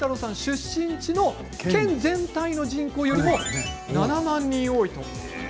出身地の県全体の人口よりも７万人多いと。